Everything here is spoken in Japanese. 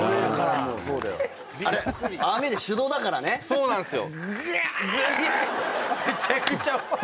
そうなんですよ。